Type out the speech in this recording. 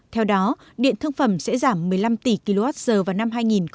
theo đó điện thương phẩm sẽ giảm một mươi năm tỷ kwh vào năm hai nghìn hai mươi